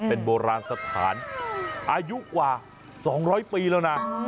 เป็นโบราณสถานอายุกว่า๒๐๐ปีแล้วนะ